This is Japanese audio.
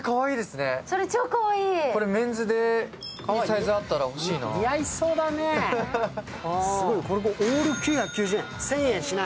これ、メンズでいいサイズがあったら欲しいな。